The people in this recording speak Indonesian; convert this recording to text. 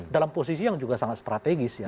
dalam posisi yang juga sangat strategis ya